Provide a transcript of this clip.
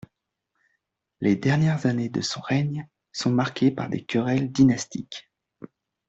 Les dernières années de son règne sont marquées par des querelles dynastiques.